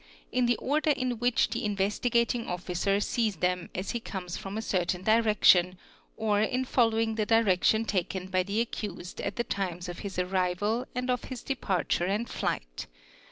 in the order in which he Investigating Officer sees them as he comes from a certain direction 0 'in following the direction taken by the accused at the times of his arrival and of his departure and flight.